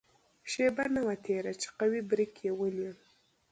شېبه نه وه تېره چې قوي بریک یې ونیو.